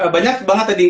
banyak banget tadi